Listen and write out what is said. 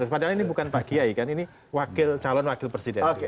padahal ini bukan pak kiai kan ini calon wakil presiden